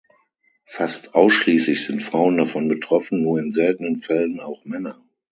Fast ausschließlich sind Frauen davon betroffen, nur in seltenen Fällen auch Männer.